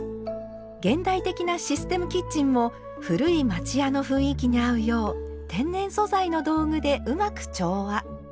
現代的なシステムキッチンも古い町家の雰囲気に合うよう天然素材の道具でうまく調和。